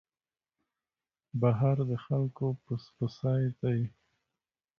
بهر د خلکو پس پسي دی.